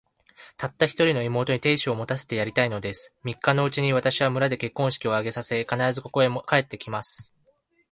たった一人の妹に、亭主を持たせてやりたいのです。三日のうちに、私は村で結婚式を挙げさせ、必ず、ここへ帰って来ます。